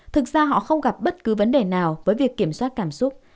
thực ra họ không gặp bất cứ vấn đề nào với việc kiểm soát cảm xúc